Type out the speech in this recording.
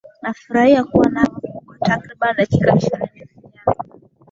nafurahi kuwa nawe kwa takribani dakika ishirini zijazo